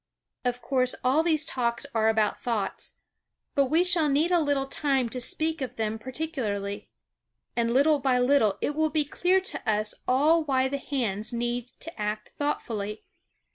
Of course, all these Talks are about thoughts. But we shall need a little time to speak of them particularly. And little by little it will be clear to us all why the hands need to act thoughtfully.